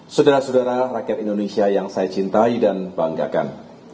saudara saudara rakyat indonesia yang saya cintai dan banggakan